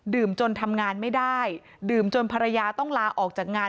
จนทำงานไม่ได้ดื่มจนภรรยาต้องลาออกจากงาน